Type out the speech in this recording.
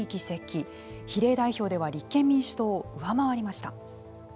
比例代表では立憲民主党を上回りました。